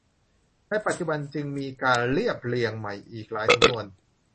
ในปัจจุบันจึงมีการเรียบเรียงใหม่อีกหลายสำนวน